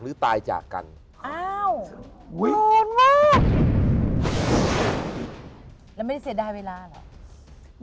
ตายจากกันอ้าววิวมากแล้วไม่ได้เสียดายเวลาเหรอ